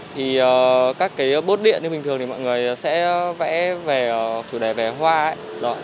thì các cái bốt điện như bình thường thì mọi người sẽ vẽ về chủ đề về hoa